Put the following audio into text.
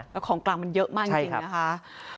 แล้วของกลางมันเยอะมากจริงนะคะ